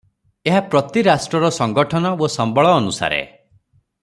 ଏହା ପ୍ରତି ରାଷ୍ଟ୍ରର ସଂଗଠନ ଓ ସମ୍ୱଳ ଅନୁସାରେ ।